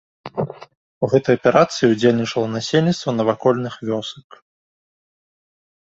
У гэтай аперацыі удзельнічала насельніцтва навакольных вёсак.